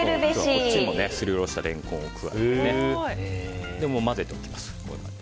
こっちにもすりおろしたレンコンを加えて混ぜておきます。